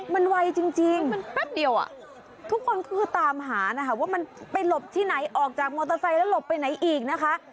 มันไวจริงมันแป๊บเดียวทุกคนคือตามหานะคะว่ามันไปหลบที่ไหนออกจากมอเตอร์ไซค์แล้วหลบไปไหนอีกนะคะ